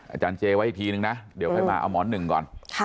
อาจารย์เจงว่าไม่ที่นึงนะเดี๋ยวใครว่าหมอนึ่งก่อน